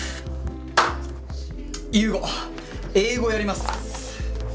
優吾英語やります。